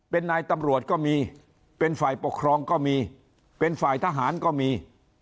เป็นนายตำรวจก็มีเป็นฝ่ายปกครองก็มีเป็นฝ่ายทหารก็มี